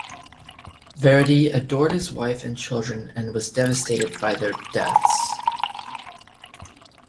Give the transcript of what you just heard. Verdi adored his wife and children and was devastated by their deaths.